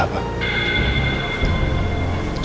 saya harus menikah